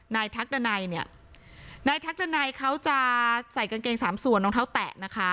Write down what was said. ทักดันัยเนี่ยนายทักดันัยเขาจะใส่กางเกงสามส่วนรองเท้าแตะนะคะ